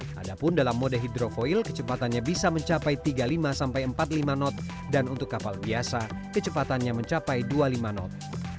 padahal dalam mode hidrofoil kecepatannya bisa mencapai tiga puluh lima sampai empat puluh lima knot dan untuk kapal biasa kecepatannya mencapai dua puluh lima knot